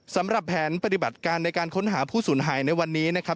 สำหรับแผนปฏิบัติการในการค้นหาผู้สูญหายในวันนี้นะครับ